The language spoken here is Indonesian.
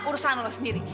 urusan lo sendiri